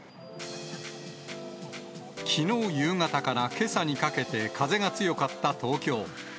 きのう夕方からけさにかけて、風が強かった東京。